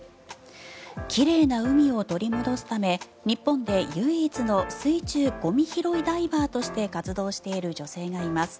奇麗な海を取り戻すため日本で唯一の水中ゴミ拾いダイバーとして活動している女性がいます。